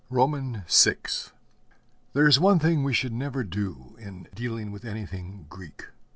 VI There is one thing that we should never do in dealing with anything Greek.